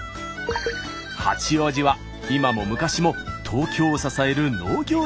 八王子は今も昔も東京を支える農業地域なんです。